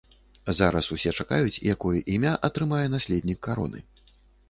Зараз усе чакаюць, якое імя атрымае наследнік кароны.